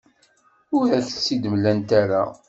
Ur ak-tt-id-mlant ara.